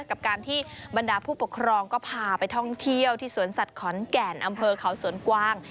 กับการที่บรรดาผู้ปกครองก็พาไปท่องเที่ยวที่สวนสัตว์ขอนแก่นอำเภอเขาสวนกวาง